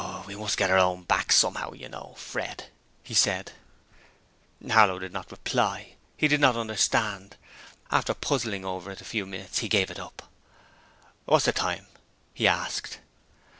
'We must get our own back somehow, you know, Fred,' he said. Harlow did not reply. He did not understand. After puzzling over it for a few minutes, he gave it up. 'What's the time?' he asked.